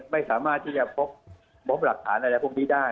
ไม่สามารถที่จะพบหลักฐานอะไรพวกนี้ได้